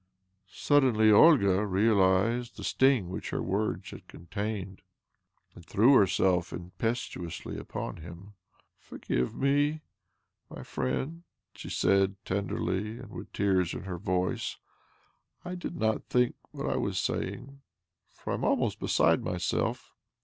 Suddenly Olga realized the sting which her words had contained, and threw herself im petuously upon him. " Forgive me, my friend," she said ten derly and with tears in her voice. " I did not think what I was saying, for I am almost beside myself.